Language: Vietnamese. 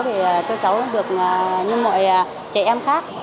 để cho cháu được như mọi trẻ em khác